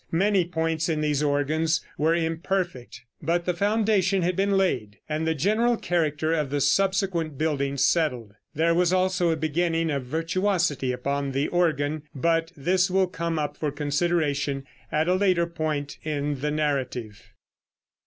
Many points in these organs were imperfect, but the foundation had been laid, and the general character of the subsequent building settled. There was also a beginning of virtuosity upon the organ, but this will come up for consideration at a later point in the narrative.